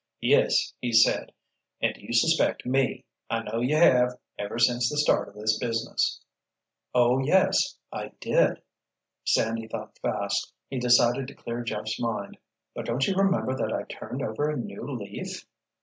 "Yes," he said. "And you suspect me. I know you have, ever since the start of this business——" "Oh, yes—I did." Sandy thought fast: he decided to clear Jeff's mind. "But don't you remember that I turned over a new leaf?"